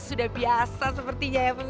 sudah biasa sepertinya ya bu